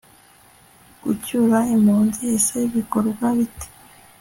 g gucyura impunzi ese bikorwa bite